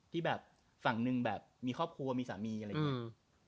ที่แบบฝั่งหนึ่งแบบมีครอบครัวมีสามีอะไรอย่างนี้